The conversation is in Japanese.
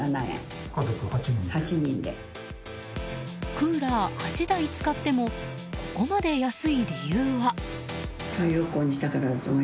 クーラー８台使ってもここまで安い理由は？